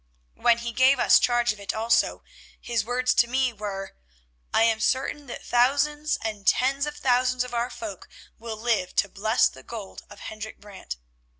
When he gave us charge of it also, his words to me were: 'I am certain that thousands and tens of thousands of our folk will live to bless the gold of Hendrik Brant.